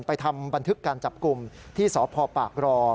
ไปทำบันทึกการจับกลุ่มที่ซ้อปลาปากรอ